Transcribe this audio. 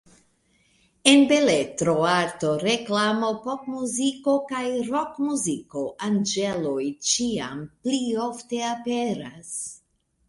En beletro, arto, reklamo, popmuziko kaj rokmuziko anĝeloj ĉiam pli ofte aperas.